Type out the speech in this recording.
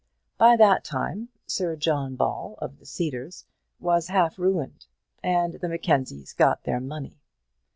By that time, Sir John Ball, of the Cedars, was half ruined, and the Mackenzies got their money.